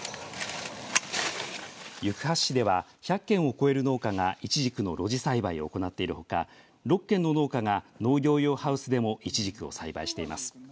行橋市では１００軒を超える農家がイチジクの露地栽培を行っているほか６軒の農家が農業用ハウスでもイチジクを栽培しています。